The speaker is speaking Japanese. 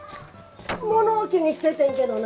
物置にしててんけどな。